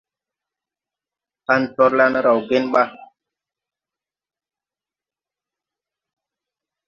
Pan torlan raw gen ba?